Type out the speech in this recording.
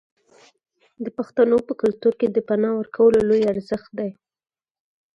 د پښتنو په کلتور کې د پنا ورکول لوی ارزښت دی.